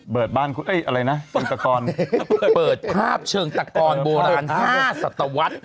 เปิดภาพเชิงตะกอนโบราณ๕ศตวรรษ